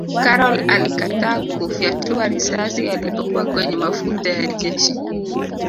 karol alikataa kufyatua risasi alipokuwa kwenye mafunzo ya jeshi